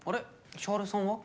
千晴さんは？